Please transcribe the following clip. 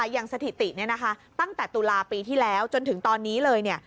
อย่างสถิตินี้นะคะตั้งแต่ตุลาปีที่แล้วจนถึงตอนนี้เลย